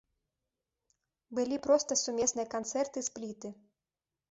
Былі проста сумесныя канцэрты-спліты.